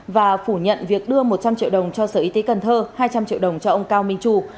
và phủ nhận việc đưa một trăm linh triệu đồng cho sở y tế cần thơ hai trăm linh triệu đồng cho ông cao minh tru